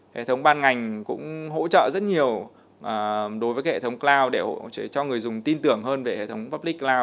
hệ thống ban ngành cũng hỗ trợ rất nhiều đối với hệ thống cloud để cho người dùng tin tưởng hơn về hệ thống public cloud